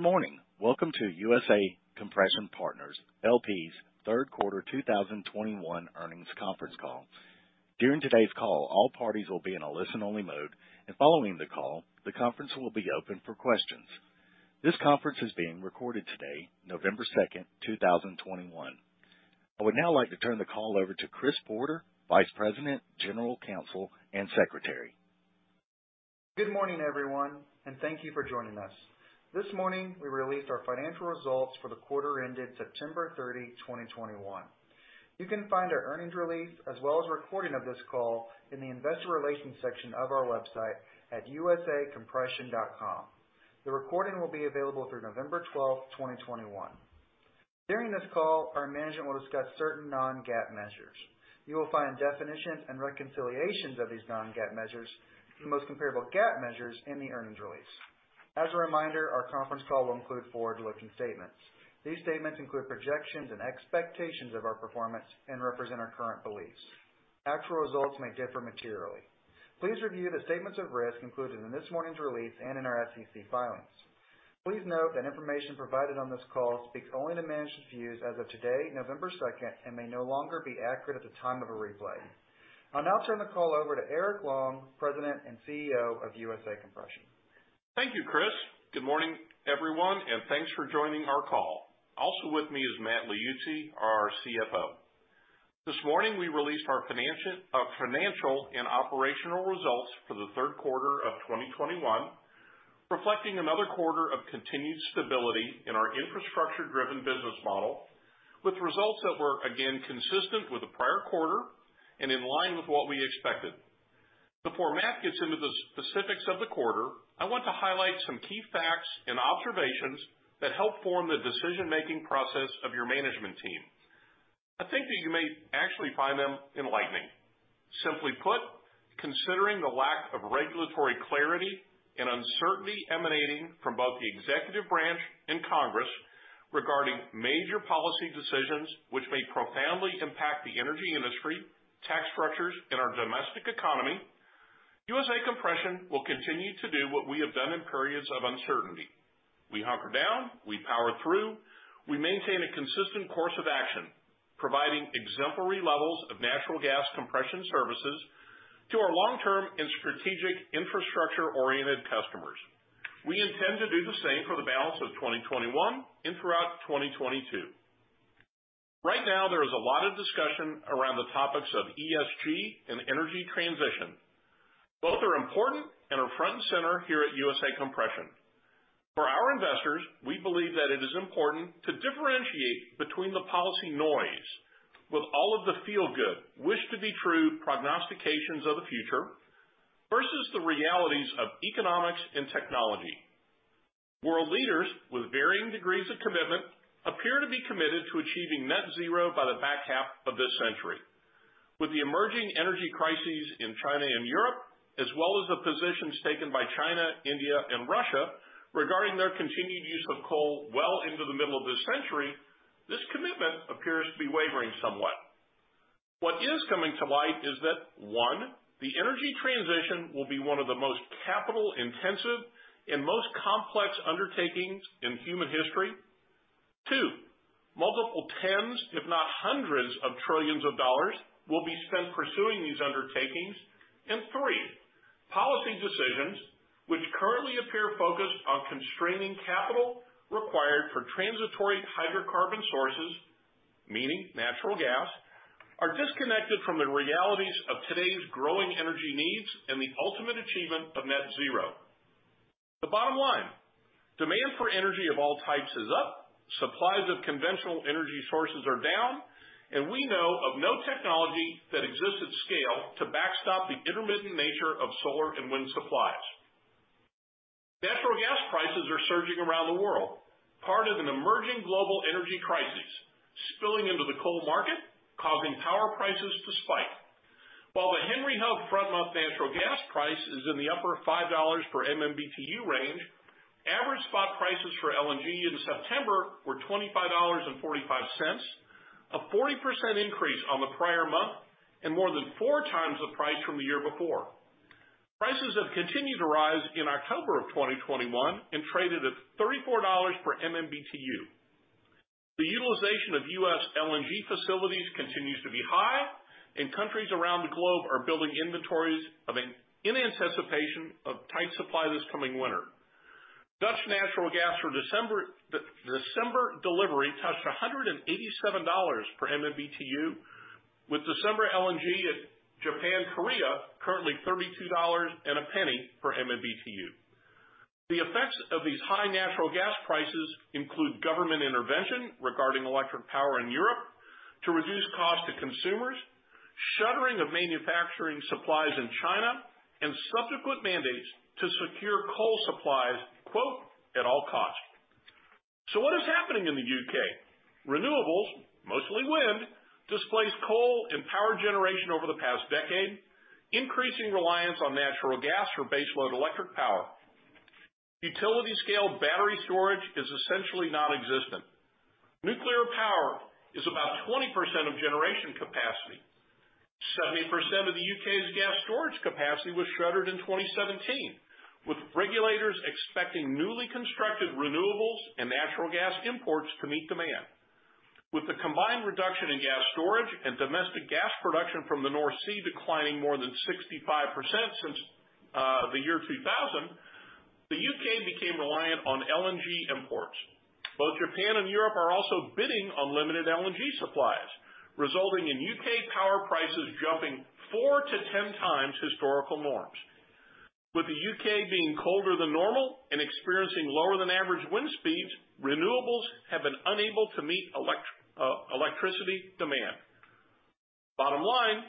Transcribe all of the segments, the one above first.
Good morning. Welcome to USA Compression Partners, LP's third quarter 2021 earnings conference call. During today's call, all parties will be in a listen-only mode, and following the call, the conference will be open for questions. This conference is being recorded today, November 2, 2021. I would now like to turn the call over to Chris Porter, Vice President, General Counsel and Secretary. Good morning, everyone, and thank you for joining us. This morning, we released our financial results for the quarter ended September 30, 2021. You can find our earnings release as well as a recording of this call in the Investor Relations section of our website at usacompression.com. The recording will be available through November 12, 2021. During this call, our management will discuss certain non-GAAP measures. You will find definitions and reconciliations of these non-GAAP measures to the most comparable GAAP measures in the earnings release. As a reminder, our conference call will include forward-looking statements. These statements include projections and expectations of our performance and represent our current beliefs. Actual results may differ materially. Please review the statements of risk included in this morning's release and in our SEC filings. Please note that information provided on this call speaks only to management's views as of today, November second, and may no longer be accurate at the time of a replay. I'll now turn the call over to Eric Long, President and CEO of USA Compression. Thank you, Chris. Good morning, everyone, and thanks for joining our call. Also with me is Matt Liuzzi, our CFO. This morning, we released our financial and operational results for the third quarter of 2021, reflecting another quarter of continued stability in our infrastructure-driven business model, with results that were again consistent with the prior quarter and in line with what we expected. Before Matt gets into the specifics of the quarter, I want to highlight some key facts and observations that help form the decision-making process of your management team. I think that you may actually find them enlightening. Simply put, considering the lack of regulatory clarity and uncertainty emanating from both the executive branch and Congress regarding major policy decisions which may profoundly impact the energy industry, tax structures in our domestic economy, USA Compression will continue to do what we have done in periods of uncertainty. We hunker down, we power through, we maintain a consistent course of action, providing exemplary levels of natural gas compression services to our long-term and strategic infrastructure-oriented customers. We intend to do the same for the balance of 2021 and throughout 2022. Right now, there is a lot of discussion around the topics of ESG and energy transition. Both are important and are front and center here at USA Compression. For our investors, we believe that it is important to differentiate between the policy noise with all of the feel-good wish to be true prognostications of the future versus the realities of economics and technology. World leaders with varying degrees of commitment appear to be committed to achieving net zero by the back half of this century. With the emerging energy crises in China and Europe, as well as the positions taken by China, India and Russia regarding their continued use of coal well into the middle of this century, this commitment appears to be wavering somewhat. What is coming to light is that, one, the energy transition will be one of the most capital intensive and most complex undertakings in human history. Two, multiple tens, if not hundreds of trillions of dollars will be spent pursuing these undertakings. Three, policy decisions, which currently appear focused on constraining capital required for transitory hydrocarbon sources, meaning natural gas, are disconnected from the realities of today's growing energy needs and the ultimate achievement of net zero. The bottom line, demand for energy of all types is up, supplies of conventional energy sources are down, and we know of no technology that exists at scale to backstop the intermittent nature of solar and wind supplies. Natural gas prices are surging around the world, part of an emerging global energy crisis spilling into the coal market, causing power prices to spike. While the Henry Hub front-month natural gas price is in the upper $5 per MMBtu range, average spot prices for LNG in September were $25.45, a 40% increase on the prior month and more than four times the price from the year before. Prices have continued to rise in October 2021 and traded at $34 per MMBtu. The utilization of U.S. LNG facilities continues to be high, and countries around the globe are building inventories in anticipation of tight supply this coming winter. Dutch natural gas for December delivery touched $187 per MMBtu, with December LNG to Japan, Korea currently $32.01 per MMBtu. The effects of these high natural gas prices include government intervention regarding electric power in Europe to reduce cost to consumers, shuttering of manufacturing supplies in China and subsequent mandates to secure coal supplies, quote, at all costs. What is happening in the U.K.? Renewables, mostly wind, displaced coal and power generation over the past decade, increasing reliance on natural gas for baseload electric power. Utility scale battery storage is essentially nonexistent. Nuclear power is about 20% of generation capacity. 70% of the U.K.'s gas storage capacity was shuttered in 2017, with regulators expecting newly constructed renewables and natural gas imports to meet demand. With the combined reduction in gas storage and domestic gas production from the North Sea declining more than 65% since 2000, the U.K. became reliant on LNG imports. Both Japan and Europe are also bidding on limited LNG supplies, resulting in U.K. power prices jumping 4-10 times historical norms. With the U.K. being colder than normal and experiencing lower than average wind speeds, renewables have been unable to meet electricity demand. Bottom line,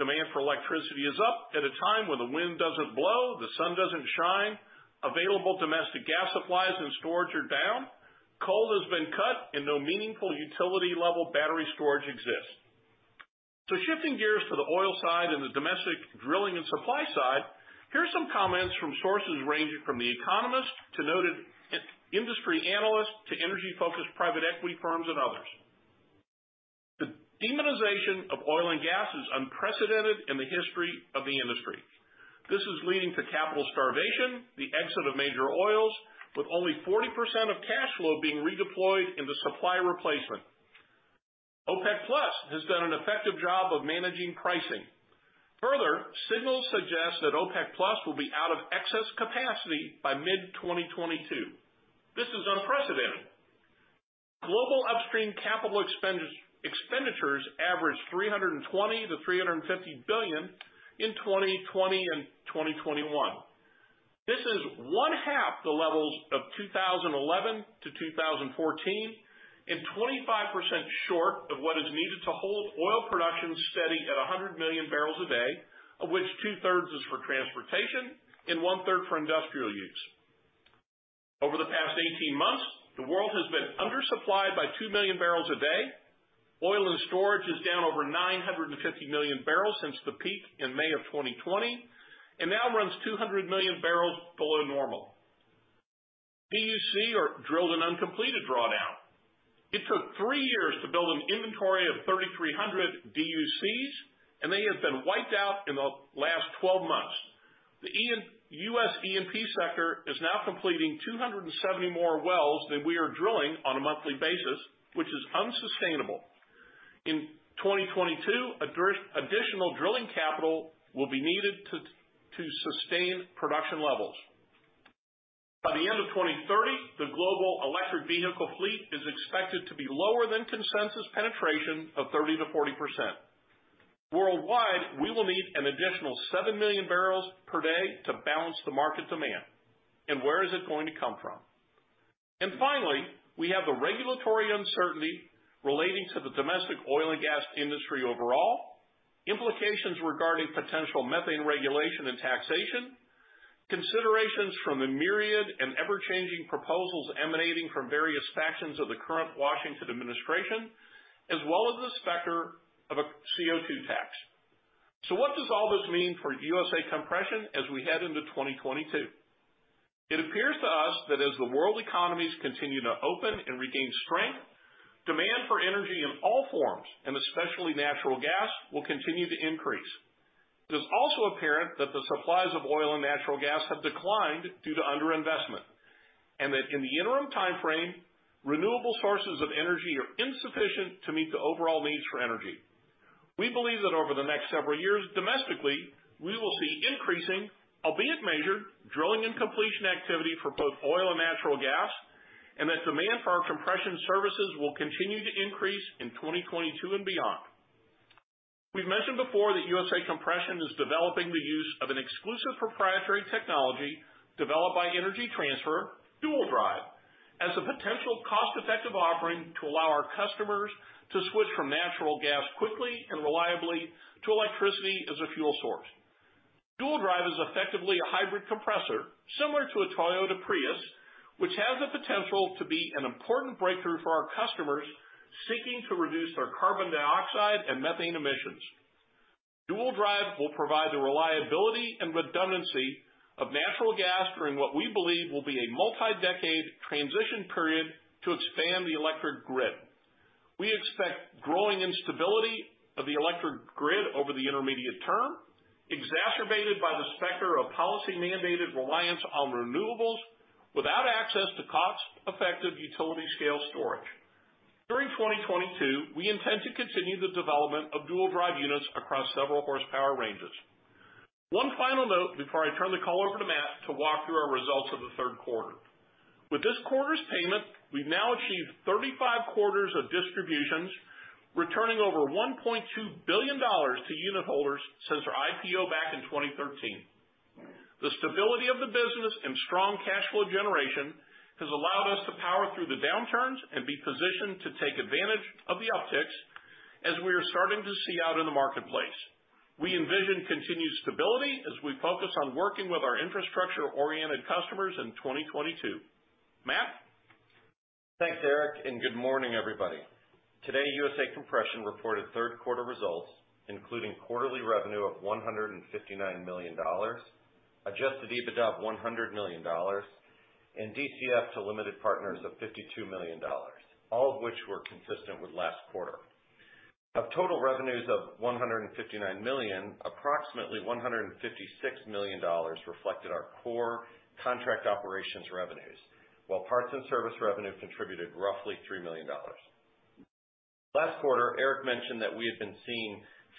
demand for electricity is up at a time when the wind doesn't blow, the sun doesn't shine, available domestic gas supplies and storage are down, coal has been cut, and no meaningful utility level battery storage exists. Shifting gears to the oil side and the domestic drilling and supply side, here's some comments from sources ranging from the Economist to noted industry analysts to energy focused private equity firms and others. The demonization of oil and gas is unprecedented in the history of the industry. This is leading to capital starvation, the exit of major oils, with only 40% of cash flow being redeployed into supply replacement. OPEC+ has done an effective job of managing pricing. Further, signals suggest that OPEC+ will be out of excess capacity by mid-2022. This is unprecedented. Global upstream capital expenditures averaged $320 billion-$350 billion in 2020 and 2021. This is one half the levels of 2011-2014 and 25% short of what is needed to hold oil production steady at 100 million barrels a day, of which two-thirds is for transportation and one-third for industrial use. Over the past 18 months, the world has been undersupplied by 2 million barrels a day. Oil in storage is down over 950 million barrels since the peak in May 2020, and now runs 200 million barrels below normal. DUC or drilled and uncompleted drawdown. It took three years to build an inventory of 3,300 DUCs, and they have been wiped out in the last 12 months. The U.S. E&P sector is now completing 270 more wells than we are drilling on a monthly basis, which is unsustainable. In 2022, additional drilling capital will be needed to sustain production levels. By the end of 2030, the global electric vehicle fleet is expected to be lower than consensus penetration of 30%-40%. Worldwide, we will need an additional 7 million barrels per day to balance the market demand. Where is it going to come from? Finally, we have the regulatory uncertainty relating to the domestic oil and gas industry overall, implications regarding potential methane regulation and taxation, considerations from the myriad and ever-changing proposals emanating from various factions of the current Washington administration, as well as the specter of a CO₂ tax. What does all this mean for USA Compression as we head into 2022? It appears to us that as the world economies continue to open and regain strength, demand for energy in all forms, and especially natural gas, will continue to increase. It is also apparent that the supplies of oil and natural gas have declined due to underinvestment, and that in the interim timeframe, renewable sources of energy are insufficient to meet the overall needs for energy. We believe that over the next several years, domestically, we will see increasing, albeit measured, drilling and completion activity for both oil and natural gas, and that demand for our compression services will continue to increase in 2022 and beyond. We've mentioned before that USA Compression is developing the use of an exclusive proprietary technology developed by Energy Transfer, Dual Drive, as a potential cost-effective offering to allow our customers to switch from natural gas quickly and reliably to electricity as a fuel source. Dual Drive is effectively a hybrid compressor, similar to a Toyota Prius, which has the potential to be an important breakthrough for our customers seeking to reduce their carbon dioxide and methane emissions. Dual Drive will provide the reliability and redundancy of natural gas during what we believe will be a multi-decade transition period to expand the electric grid. We expect growing instability of the electric grid over the intermediate term, exacerbated by the specter of policy-mandated reliance on renewables without access to cost-effective utility scale storage. During 2022, we intend to continue the development of Dual Drive units across several horsepower ranges. One final note before I turn the call over to Matt to walk through our results of the third quarter. With this quarter's payment, we've now achieved 35 quarters of distributions, returning over $1.2 billion to unitholders since our IPO back in 2013. The stability of the business and strong cash flow generation has allowed us to power through the downturns and be positioned to take advantage of the upticks as we are starting to see out in the marketplace. We envision continued stability as we focus on working with our infrastructure-oriented customers in 2022. Matt? Thanks, Eric, and good morning, everybody. Today, USA Compression reported third quarter results, including quarterly revenue of $159 million, Adjusted EBITDA of $100 million and DCF to limited partners of $52 million, all of which were consistent with last quarter. Of total revenues of $159 million, approximately $156 million reflected our core contract operations revenues. While parts and service revenue contributed roughly $3 million. Last quarter, Eric mentioned that we had been seeing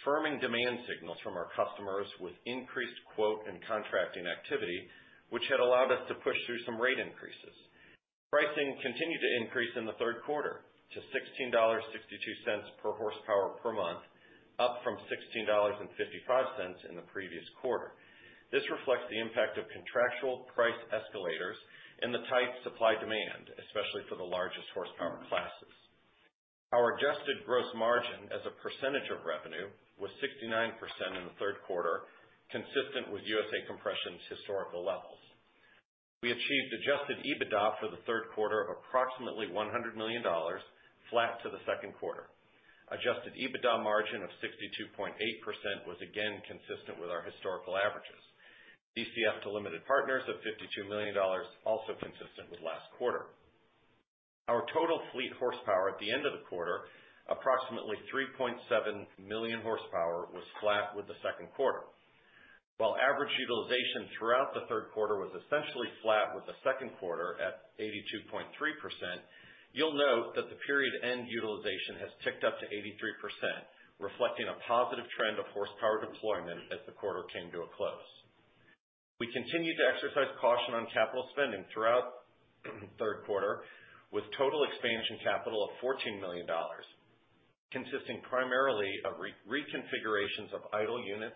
firming demand signals from our customers with increased quote and contracting activity, which had allowed us to push through some rate increases. Pricing continued to increase in the third quarter to $16.62 per horsepower per month, up from $16.55 in the previous quarter. This reflects the impact of contractual price escalators and the tight supply demand, especially for the largest horsepower classes. Our Adjusted gross margin as a percentage of revenue was 69% in the third quarter, consistent with USA Compression's historical levels. We achieved Adjusted EBITDA for the third quarter of approximately $100 million, flat to the second quarter. Adjusted EBITDA margin of 62.8% was again consistent with our historical averages. DCF to limited partners of $52 million, also consistent with last quarter. Our total fleet horsepower at the end of the quarter, approximately 3.7 million horsepower, was flat with the second quarter. While average utilization throughout the third quarter was essentially flat with the second quarter at 82.3%, you'll note that the period end utilization has ticked up to 83%, reflecting a positive trend of horsepower deployment as the quarter came to a close. We continued to exercise caution on capital spending throughout third quarter, with total expansion capital of $14 million, consisting primarily of reconfigurations of idle units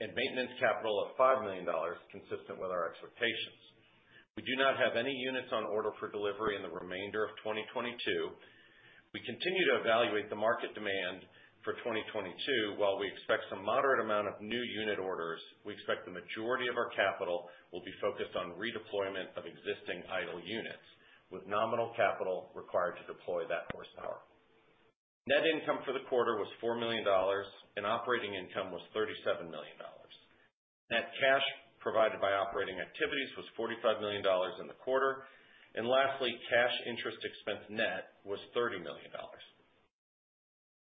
and maintenance capital of $5 million consistent with our expectations. We do not have any units on order for delivery in the remainder of 2022. We continue to evaluate the market demand for 2022. While we expect some moderate amount of new unit orders, we expect the majority of our capital will be focused on redeployment of existing idle units, with nominal capital required to deploy that horsepower. Net income for the quarter was $4 million and operating income was $37 million. Net cash provided by operating activities was $45 million in the quarter. Lastly, cash interest expense net was $30 million.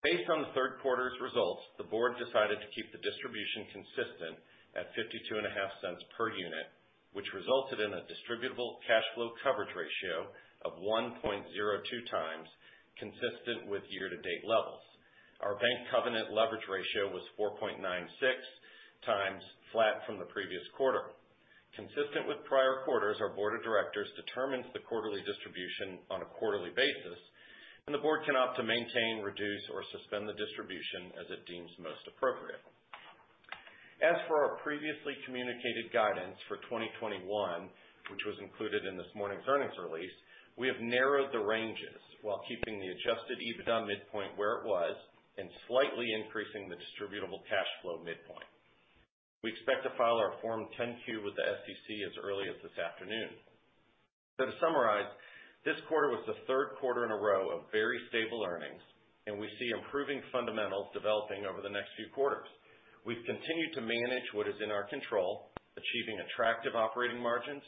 Based on the third quarter's results, the board decided to keep the distribution consistent at $0.525 per unit, which resulted in a distributable cash flow coverage ratio of 1.02 times, consistent with year to date levels. Our bank covenant leverage ratio was 4.96 times, flat from the previous quarter. Consistent with prior quarters, our board of directors determines the quarterly distribution on a quarterly basis, and the board can opt to maintain, reduce, or suspend the distribution as it deems most appropriate. As for our previously communicated guidance for 2021, which was included in this morning's earnings release, we have narrowed the ranges while keeping the adjusted EBITDA midpoint where it was and slightly increasing the distributable cash flow midpoint. We expect to file our Form 10-Q with the SEC as early as this afternoon. To summarize, this quarter was the third quarter in a row of very stable earnings, and we see improving fundamentals developing over the next few quarters. We've continued to manage what is in our control, achieving attractive operating margins,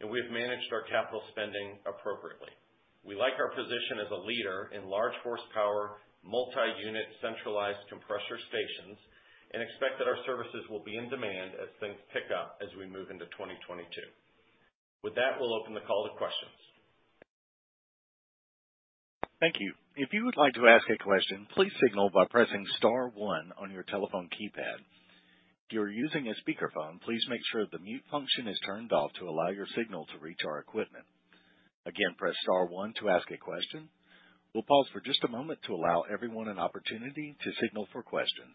and we have managed our capital spending appropriately. We like our position as a leader in large horsepower, multi-unit, centralized compressor stations, and expect that our services will be in demand as things pick up as we move into 2022. With that, we'll open the call to questions. Thank you. If you would like to ask a question, please signal by pressing star one on your telephone keypad. If you are using a speakerphone, please make sure the mute function is turned off to allow your signal to reach our equipment. Again, press star one to ask a question. We'll pause for just a moment to allow everyone an opportunity to signal for questions.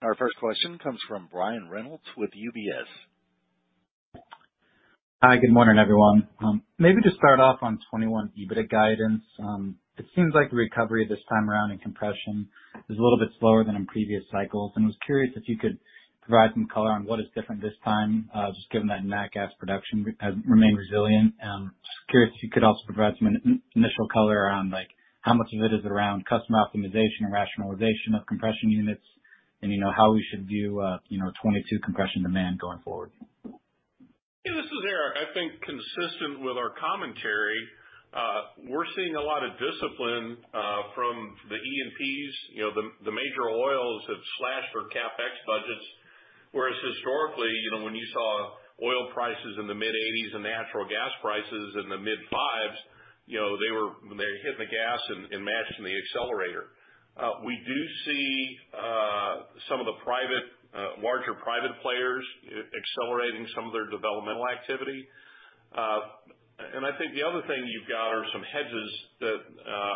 Our first question comes from Brian Reynolds with UBS. Hi, good morning, everyone. Maybe just start off on 2021 EBITDA guidance. It seems like the recovery this time around in compression is a little bit slower than in previous cycles, and I was curious if you could provide some color on what is different this time, just given that nat gas production has remained resilient. I am just curious if you could also provide some initial color around, like, how much of it is around customer optimization and rationalization of compression units and, you know, how we should view, you know, 2022 compression demand going forward. Yeah, this is Eric. I think consistent with our commentary, we're seeing a lot of discipline from the E&Ps. You know, the major oils have slashed their CapEx budgets, whereas historically, you know, when you saw oil prices in the mid-80s and natural gas prices in the mid-5s, you know, they were hitting the gas and mashing the accelerator. We do see some of the private larger private players accelerating some of their developmental activity. I think the other thing you've got are some hedges that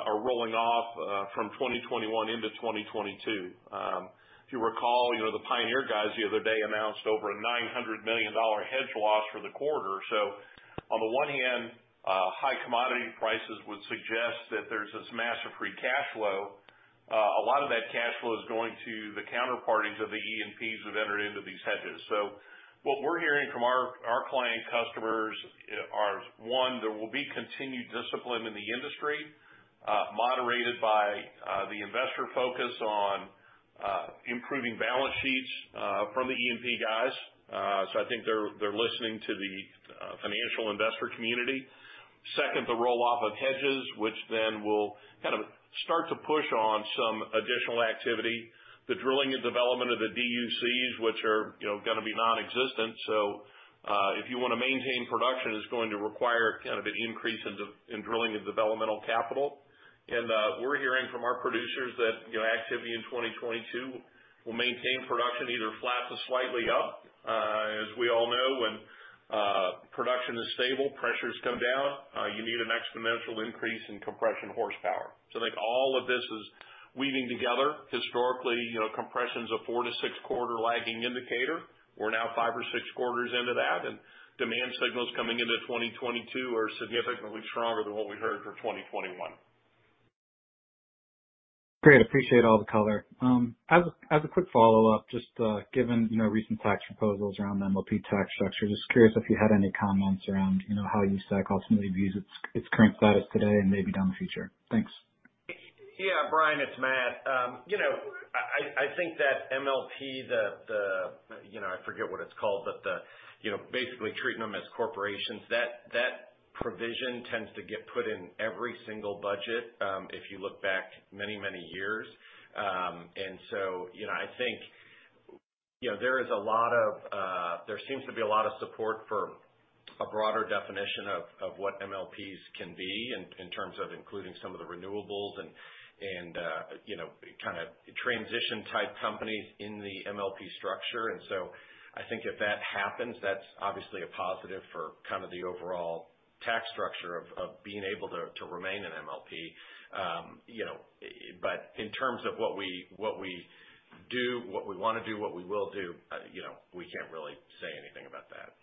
are rolling off from 2021 into 2022. If you recall, you know, the Pioneer guys the other day announced over a $900 million hedge loss for the quarter. So on the one hand, high commodity prices would suggest that there's this massive free cash flow. A lot of that cash flow is going to the counter. Third parties of the E&Ps have entered into these hedges. What we're hearing from our client customers are: one, there will be continued discipline in the industry, moderated by the investor focus on improving balance sheets from the E&P guys. I think they're listening to the financial investor community. Second, the roll-off of hedges, which then will kind of start to push on some additional activity. The drilling and development of the DUCs, which are, you know, gonna be non-existent. If you wanna maintain production, it's going to require kind of an increase in drilling and developmental capital. We're hearing from our producers that, you know, activity in 2022 will maintain production either flat to slightly up. As we all know, when production is stable, pressures come down, you need an exponential increase in compression horsepower. I think all of this is weaving together. Historically, you know, compression's a four to six quarter lagging indicator. We're now five or six quarters into that, and demand signals coming into 2022 are significantly stronger than what we heard for 2021. Great. Appreciate all the color. As a quick follow-up, just given you know recent tax proposals around the MLP tax structure, just curious if you had any comments around, you know, how you ultimately view its current status today and maybe down the road in the future. Thanks. Yeah, Brian, it's Matt. You know, I think that MLP, you know, I forget what it's called, but you know, basically treating them as corporations, that provision tends to get put in every single budget, if you look back many, many years. You know, I think, you know, there seems to be a lot of support for a broader definition of what MLPs can be in terms of including some of the renewables and, you know, kind of transition type companies in the MLP structure. I think if that happens, that's obviously a positive for kind of the overall tax structure of being able to remain an MLP. You know, in terms of what we do, what we wanna do, what we will do, you know, we can't really say anything about that.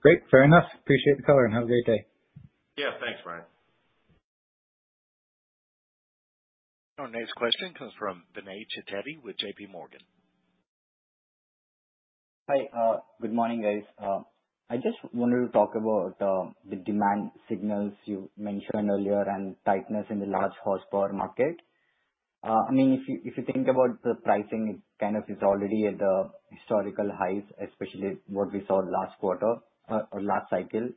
Great. Fair enough. Appreciate the color, and have a great day. Yeah. Thanks, Brian. Our next question comes from Vinay Chitale with JPMorgan. Hi. Good morning, guys. I just wanted to talk about the demand signals you mentioned earlier and tightness in the large horsepower market. I mean, if you think about the pricing, it kind of is already at the historical highs, especially what we saw last quarter or last cycle.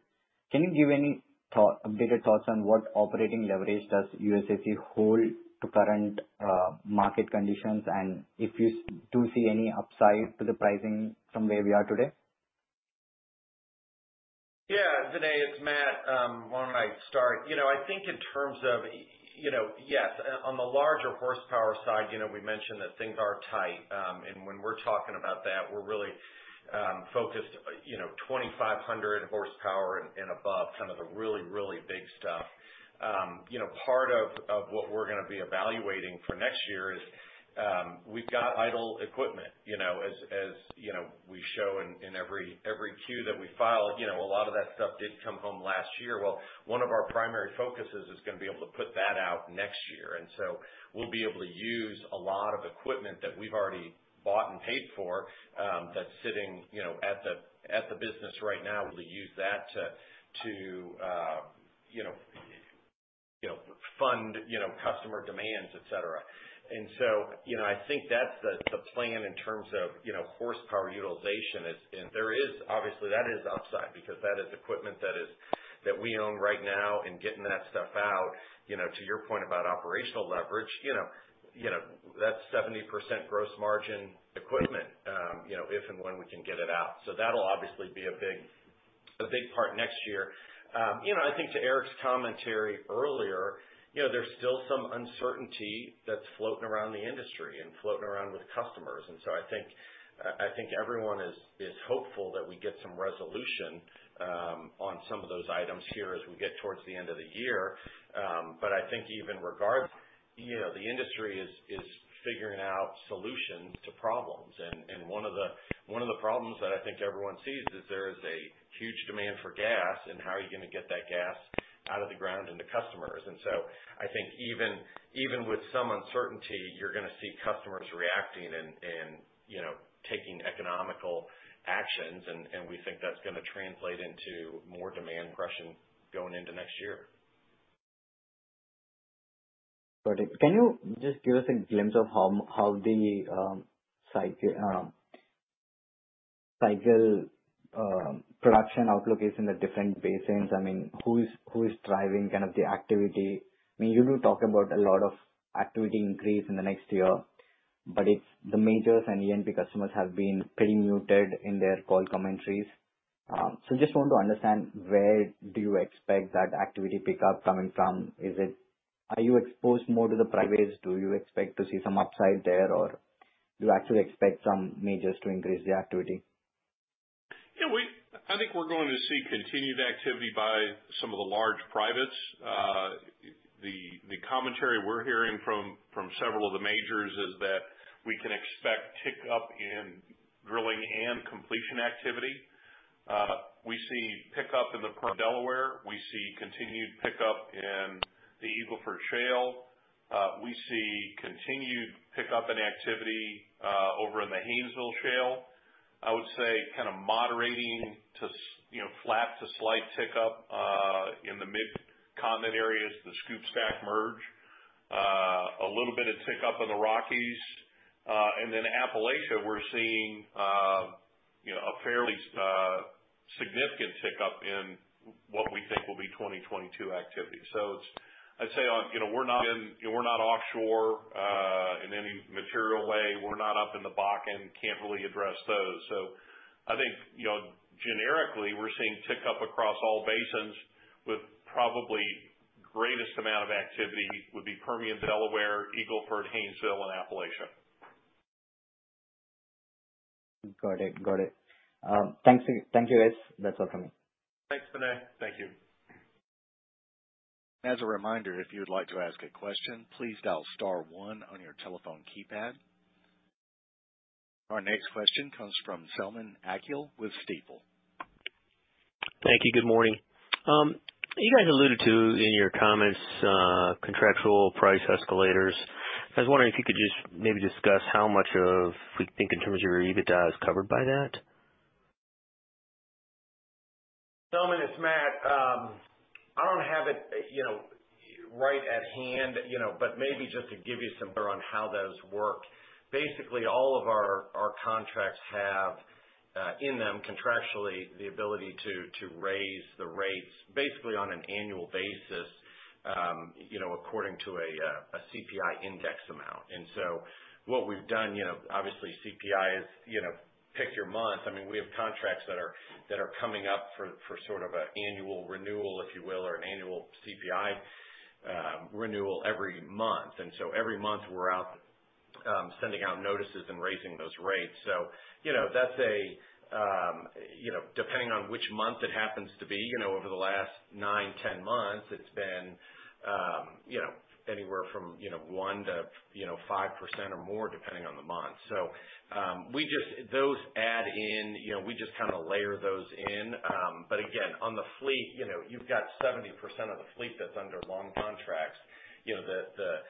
Can you give any updated thoughts on what operating leverage does USAC hold to current market conditions? And if you do see any upside to the pricing from where we are today? Yeah, Vinay, it's Matt. Why don't I start? You know, I think in terms of, you know, yes, on the larger horsepower side, you know, we mentioned that things are tight. And when we're talking about that, we're really focused, you know, 2,500 horsepower and above, kind of the really, really big stuff. You know, part of what we're gonna be evaluating for next year is, we've got idle equipment, you know. As, you know, we show in every Q that we file, you know, a lot of that stuff did come home last year. Well, one of our primary focuses is gonna be able to put that out next year. We'll be able to use a lot of equipment that we've already bought and paid for, that's sitting you know at the business right now. We'll use that to you know fund you know customer demands, et cetera. You know, I think that's the plan in terms of you know horsepower utilization. There is obviously that is upside because that is equipment that we own right now and getting that stuff out you know to your point about operational leverage you know that's 70% gross margin equipment you know if and when we can get it out. That'll obviously be a big part next year. You know, I think to Eric's commentary earlier, you know, there's still some uncertainty that's floating around the industry and floating around with customers. I think everyone is hopeful that we get some resolution on some of those items here as we get towards the end of the year. I think even regardless, you know, the industry is figuring out solutions to problems. One of the problems that I think everyone sees is there is a huge demand for gas, and how are you gonna get that gas out of the ground into customers? I think even with some uncertainty, you're gonna see customers reacting and, you know, taking economic actions and we think that's gonna translate into more demand compression going into next year. Got it. Can you just give us a glimpse of how the cycle production outlook is in the different basins? I mean, who is driving kind of the activity? I mean, you do talk about a lot of activity increase in the next year, but the majors and E&P customers have been pretty muted in their call commentaries. So I just want to understand where do you expect that activity pickup coming from. Are you exposed more to the privates? Do you expect to see some upside there, or do you actually expect some majors to increase the activity? Yeah. I think we're going to see continued activity by some of the large privates. The commentary we're hearing from several of the majors is that we can expect uptick in drilling and completion activity. We see pickup in the Permian Delaware. We see continued pickup in the Eagle Ford Shale. We see continued pickup and activity over in the Haynesville Shale. I would say kind of moderating to, you know, flat to slight pickup in the Mid-Continent areas, the Scoop Stack merge. A little bit of pickup in the Rockies. Appalachia, we're seeing, you know, a fairly significant pickup in what we think will be 2022 activity. It's, I'd say, you know, we're not offshore in any material way. We're not up in the Bakken. Can't really address those. I think, you know, generically, we're seeing pickup across all basins, with probably greatest amount of activity would be Permian Delaware, Eagle Ford, Haynesville and Appalachia. Got it. Thanks, thank you, guys. That's all for me. Thanks, Vinay. Thank you. As a reminder, if you would like to ask a question, please dial star one on your telephone keypad. Our next question comes from Selman Akyol with Stifel. Thank you. Good morning. You guys alluded to, in your comments, contractual price escalators. I was wondering if you could just maybe discuss how much of, you think, in terms of your EBITDA is covered by that? Selman, it's Matt. I don't have it, you know, right at hand, you know, but maybe just to give you some more on how those work. Basically, all of our contracts have in them contractually the ability to raise the rates basically on an annual basis, you know, according to a CPI index amount. What we've done, you know, obviously CPI is, you know, pick your month. I mean, we have contracts that are coming up for sort of an annual renewal, if you will, or an annual CPI renewal every month. Every month we're out sending out notices and raising those rates. You know, that's a you know, depending on which month it happens to be, you know, over the last 9, 10 months, it's been you know, anywhere from you know, 1% to you know, 5% or more, depending on the month. We just kind of layer those in. Again, on the fleet, you know, you've got 70% of the fleet that's under long contracts. You know, the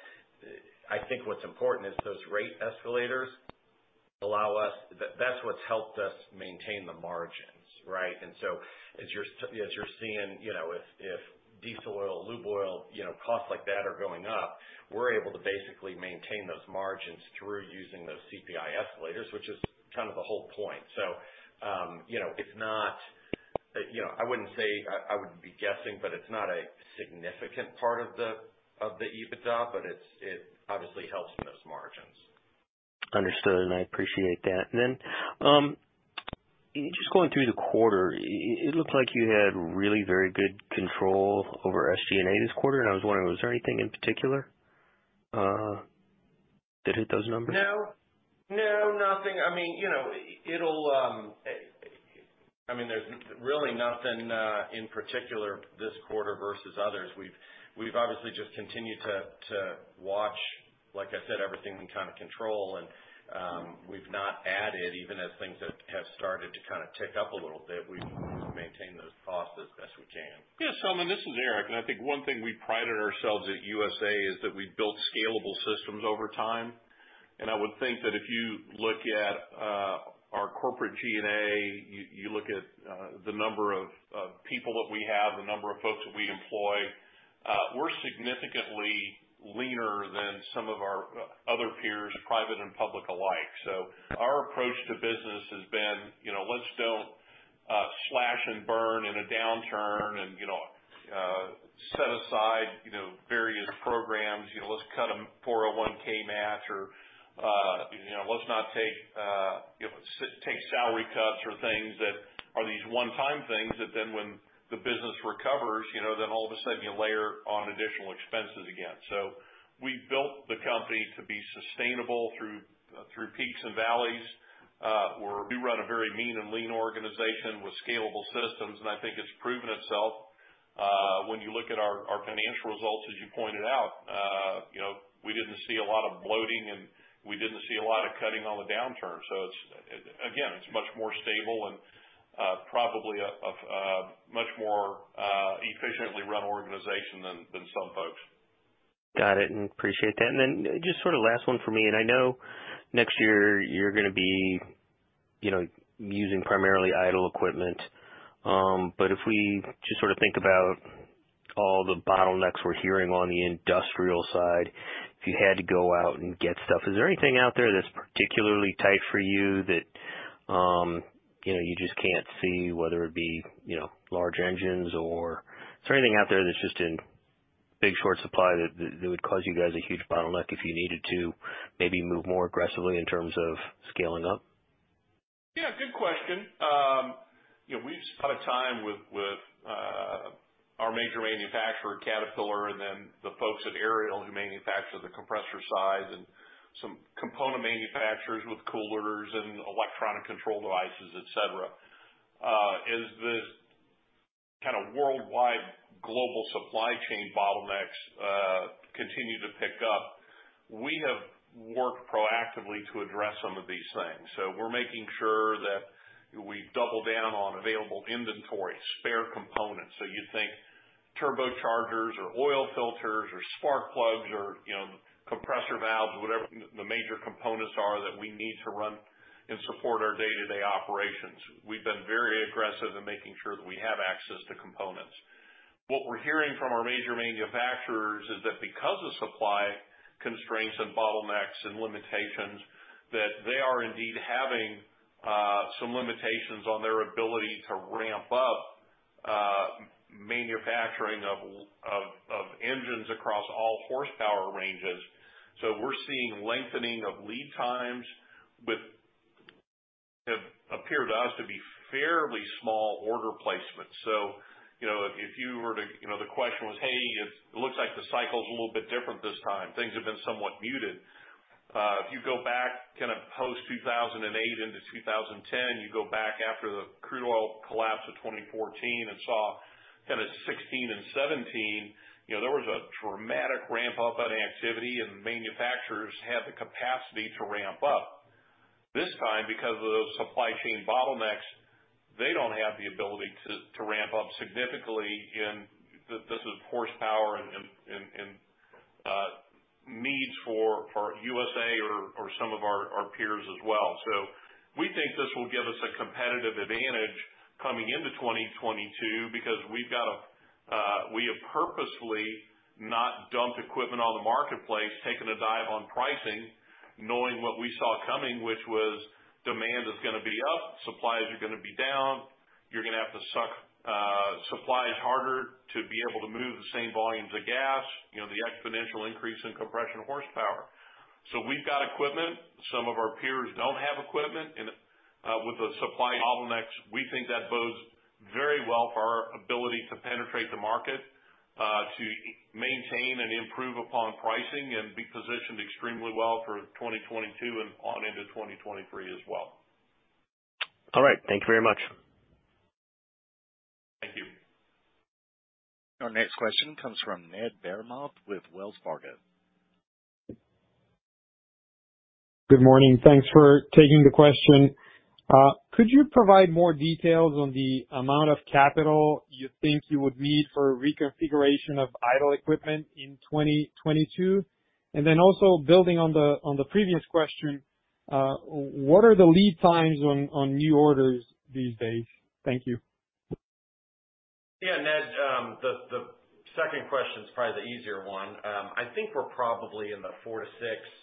I think what's important is those rate escalators. That's what's helped us maintain the margins, right? As you're seeing, you know, if diesel oil, lube oil, you know, costs like that are going up, we're able to basically maintain those margins through using those CPI escalators, which is kind of the whole point. You know, it's not, you know, I wouldn't say I would be guessing, but it's not a significant part of the EBITDA, but it obviously helps those margins. Understood, and I appreciate that. Just going through the quarter, it looked like you had really very good control over SG&A this quarter, and I was wondering, was there anything in particular that hit those numbers? No. No, nothing. I mean, you know, I mean, there's really nothing in particular this quarter versus others. We've obviously just continued to watch, like I said, everything we can kind of control. We've not added, even as things have started to kind of tick up a little bit, we've maintained those costs as best we can. Yeah, Selman, this is Eric, and I think one thing we pride ourselves at USA is that we've built scalable systems over time. I would think that if you look at our corporate G&A, you look at the number of people that we have, the number of folks that we employ, we're significantly leaner than some of our other peers, private and public alike. Our approach to business has been, you know, let's don't slash and burn in a downturn and, you know, set aside, you know, various programs. You know, let's cut a 401(k) match or, you know, let's not take, you know, take salary cuts or things that are these one-time things that then when the business recovers, you know, then all of a sudden you layer on additional expenses again. We built the company to be sustainable through peaks and valleys. We run a very mean and lean organization with scalable systems, and I think it's proven itself when you look at our financial results, as you pointed out. You know, we didn't see a lot of bloating, and we didn't see a lot of cutting on the downturn. It's much more stable and probably a much more efficiently run organization than some folks. Got it, and appreciate that. Then just sort of last one for me. I know next year you're gonna be, you know, using primarily idle equipment. But if we just sort of think about all the bottlenecks we're hearing on the industrial side, if you had to go out and get stuff, is there anything out there that's particularly tight for you that, you know, you just can't see, whether it be, you know, large engines or. Is there anything out there that's just in big short supply that would cause you guys a huge bottleneck if you needed to maybe move more aggressively in terms of scaling up? Yeah, good question. You know, we've spent a ton of time with our major manufacturer, Caterpillar, and then the folks at Ariel who manufacture the compressors and some component manufacturers with coolers and electronic control devices, et cetera. As the worldwide global supply chain bottlenecks continue to pick up. We have worked proactively to address some of these things. We're making sure that we double down on available inventory, spare components. You think turbochargers or oil filters or spark plugs or, you know, compressor valves, whatever the major components are that we need to run and support our day-to-day operations. We've been very aggressive in making sure that we have access to components. What we're hearing from our major manufacturers is that because of supply constraints and bottlenecks and limitations, that they are indeed having some limitations on their ability to ramp up manufacturing of engines across all horsepower ranges. We're seeing lengthening of lead times with what appear to us to be fairly small order placements. You know, the question was, hey, it looks like the cycle is a little bit different this time. Things have been somewhat muted. If you go back kind of post-2008 into 2010, you go back after the crude oil collapse of 2014 and saw kind of 2016 and 2017, you know, there was a dramatic ramp up in activity and manufacturers had the capacity to ramp up. This time because of those supply chain bottlenecks, they don't have the ability to ramp up significantly. This is horsepower and needs for USA or some of our peers as well. We think this will give us a competitive advantage coming into 2022 because we have purposely not dumped equipment on the marketplace, taking a dive on pricing, knowing what we saw coming, which was demand is gonna be up, supplies are gonna be down. You're gonna have to suck supplies harder to be able to move the same volumes of gas, you know, the exponential increase in compression horsepower. We've got equipment, some of our peers don't have equipment. With the supply bottlenecks, we think that bodes very well for our ability to penetrate the market, to maintain and improve upon pricing and be positioned extremely well for 2022 and on into 2023 as well. All right. Thank you very much. Thank you. Our next question comes from Ned Baramov with Wells Fargo. Good morning. Thanks for taking the question. Could you provide more details on the amount of capital you think you would need for reconfiguration of idle equipment in 2022? Also building on the previous question, what are the lead times on new orders these days? Thank you. Yeah, Ned. The second question is probably the easier one. I think we're probably in the 4- to 6-month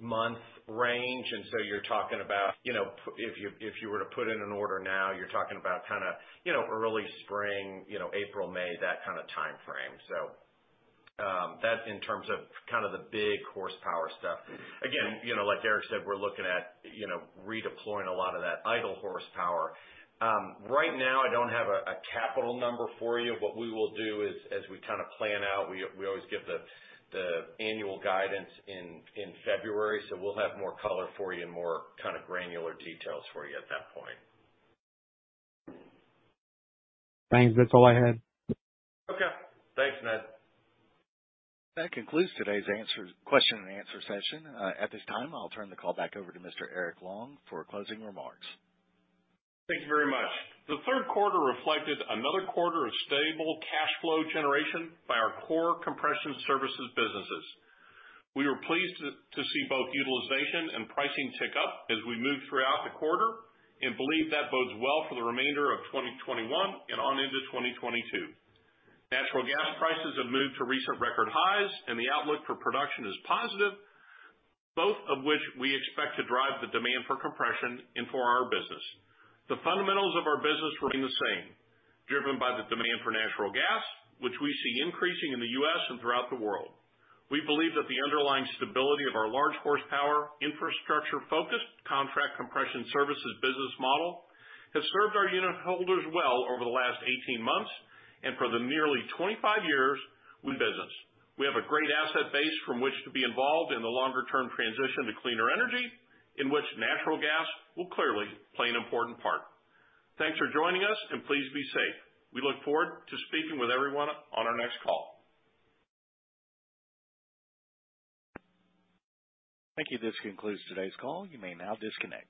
range. You're talking about, you know, if you were to put in an order now, you're talking about kind of, you know, early spring, you know, April, May, that kind of timeframe. That's in terms of kind of the big horsepower stuff. Again, you know, like Eric said, we're looking at, you know, redeploying a lot of that idle horsepower. Right now I don't have a CapEx number for you. What we will do is as we kind of plan out, we always give the annual guidance in February, so we'll have more color for you and more kind of granular details for you at that point. Thanks. That's all I had. Okay. Thanks, Ned. That concludes today's Q&A session. At this time, I'll turn the call back over to Mr. Eric Long for closing remarks. Thank you very much. The third quarter reflected another quarter of stable cash flow generation by our core compression services businesses. We were pleased to see both utilization and pricing tick up as we moved throughout the quarter and believe that bodes well for the remainder of 2021 and on into 2022. Natural gas prices have moved to recent record highs and the outlook for production is positive, both of which we expect to drive the demand for compression and for our business. The fundamentals of our business remain the same, driven by the demand for natural gas, which we see increasing in the U.S. and throughout the world. We believe that the underlying stability of our large horsepower infrastructure-focused contract compression services business model has served our unit holders well over the last 18 months and for the nearly 25 years we've been in business. We have a great asset base from which to be involved in the longer term transition to cleaner energy, in which natural gas will clearly play an important part. Thanks for joining us and please be safe. We look forward to speaking with everyone on our next call. Thank you. This concludes today's call. You may now disconnect.